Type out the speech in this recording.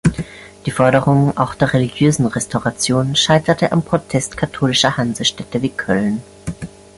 Die Forderung auch der religiösen Restauration scheiterte am Protest katholischer Hansestädte wie Köln.